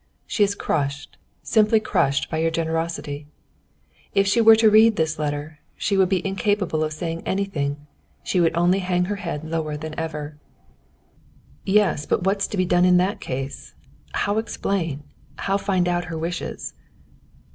"She is crushed, simply crushed by your generosity. If she were to read this letter, she would be incapable of saying anything, she would only hang her head lower than ever." "Yes, but what's to be done in that case? how explain, how find out her wishes?"